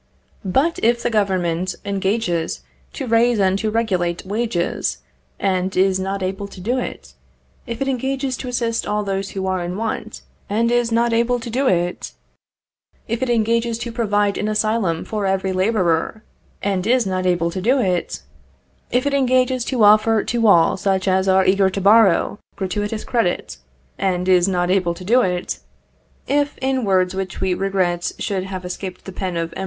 But if the Government engages to raise and to regulate wages, and is not able to do it; if it engages to assist all those who are in want, and is not able to do it; if it engages to provide an asylum for every labourer, and is not able to do it; if it engages to offer to all such as are eager to borrow, gratuitous credit, and is not able to do it; if, in words which we regret should have escaped the pen of M.